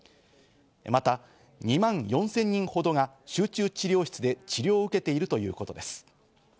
また２万４０００人ほどが集中治療室で治療を受けているということです。